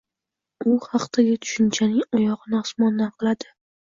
u haqdagi tushunchaning oyog‘ini osmondan qiladi.